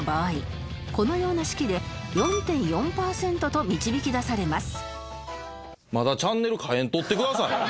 このような式で ４．４ パーセントと導き出されます